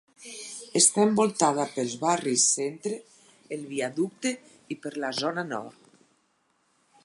Està envoltada pels barris Centre, el Viaducte i per la zona Nord.